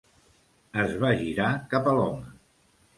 Es va girar cap a l'home.